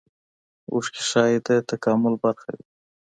اوښکې ښايي د تکامل برخه وي.